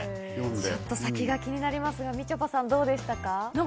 ちょっと先が気になりますが、みちょぱさんはどうでしたか？